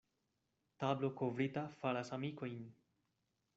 Tablo kovrita faras amikojn.